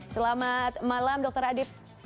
selamat malam dr adib